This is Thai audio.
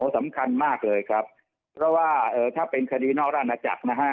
สำคัญมากเลยครับเพราะว่าถ้าเป็นคดีนอกราชนาจักรนะฮะ